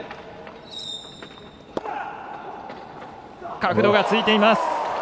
角度がついています！